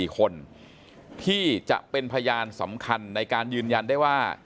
๔คนที่จะเป็นพยานสำคัญในการยืนยันได้ว่า